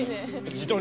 自撮り。